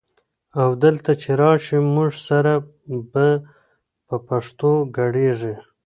او دلته چې راشي موږ سره به په پښتو ګړېیږي؛